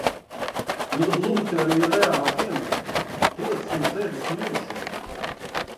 Nu tad lūk te arī ir reāli piemēri – piecsimt sešdesmit mirušie.